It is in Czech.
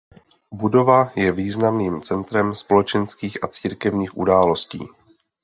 Budova je významným centrem společenských a církevních událostí.